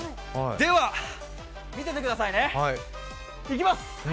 では、見ててくださいね。いきます！